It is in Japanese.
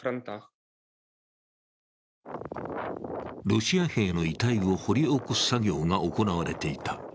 ロシア兵の遺体を掘り起こす作業が行われていた。